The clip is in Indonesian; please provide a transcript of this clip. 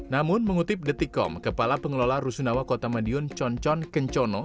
namun mengutip detikom kepala pengelola rusunawa kota madiun concon kencono